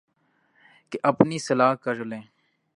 کہ اپنی اصلاح کر لیں